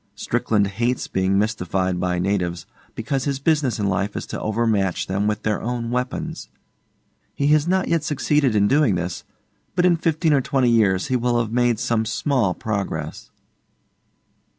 Strickland hates being mystified by natives, because his business in life is to overmatch them with their own weapons. He has not yet succeeded in doing this, but in fifteen or twenty years he will have made some small progress.